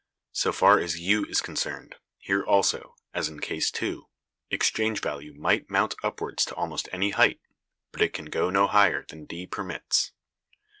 So far as U is concerned, here also, as in case (2), exchange value might mount upward to almost any height, but it can go no higher than D permits.